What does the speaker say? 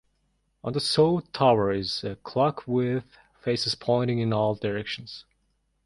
On the south tower is a clock with faces pointing in all directions.